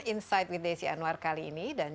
insight with desi anwar kali ini dan